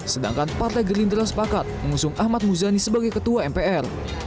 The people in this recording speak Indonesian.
sedangkan partai gerindra sepakat mengusung ahmad muzani sebagai ketua mpr